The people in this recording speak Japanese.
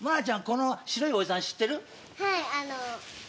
この白いおじさん知ってる？